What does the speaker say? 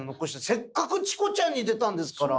せっかく「チコちゃん」に出たんですから。